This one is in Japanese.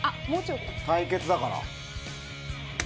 対決だから。